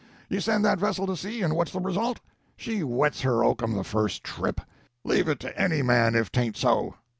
You send that vessel to sea, and what's the result? She wets her oakum the first trip! Leave it to any man if 'tain't so.